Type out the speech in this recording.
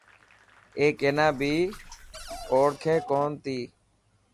اي ڪينا بي اوڙ کي ڪو نتي.